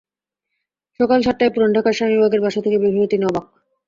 সকাল সাতটায় পুরান ঢাকার স্বামীবাগের বাসা থেকে বের হয়ে তিনি অবাক।